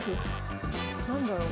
何だろう？